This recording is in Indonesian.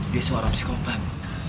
dia seorang psikopat